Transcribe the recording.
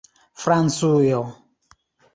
francujo